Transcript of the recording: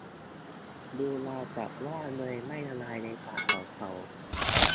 ดูราวกับว่าเนยไม่ละลายในปากของเขา